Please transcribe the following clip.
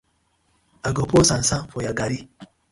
I go pour sand sand for your garri.